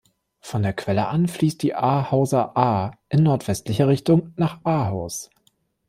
Von der Quelle an fließt die Ahauser Aa in nordwestlicher Richtung nach Ahaus.